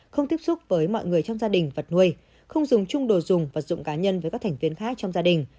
không tiếp xúc với mọi người trong gia đình vật nuôi không dùng chung đồ dùng vật dụng cá nhân với các thành viên khác trong gia đình